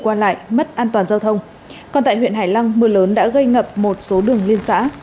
quan lại mất an toàn giao thông còn tại huyện hải lăng mưa lớn đã gây ngập một số đường liên xã